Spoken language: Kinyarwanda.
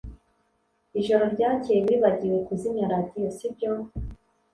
Ijoro ryakeye wibagiwe kuzimya radio, sibyo?